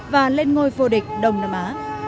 và lên ngôi vô địch đông nam á